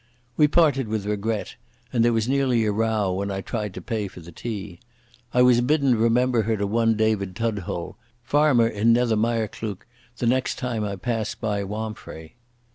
We parted with regret, and there was nearly a row when I tried to pay for the tea. I was bidden remember her to one David Tudhole, farmer in Nether Mirecleuch, the next time I passed by Wamphray.